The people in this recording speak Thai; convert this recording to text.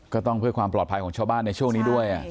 ก็ต้องเพื่อความปลอดภัยของชาวบ้านในช่วงนี้ด้วย